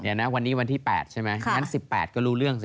เดี๋ยวนะวันนี้วันที่๘ใช่ไหมงั้น๑๘ก็รู้เรื่องสิ